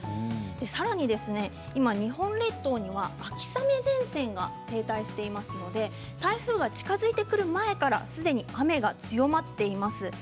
さらに今、日本列島には秋雨前線が停滞していますので台風が近づいてくる前からすでに雨が強まっています。